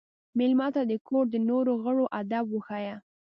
مېلمه ته د کور د نورو غړو ادب وښایه.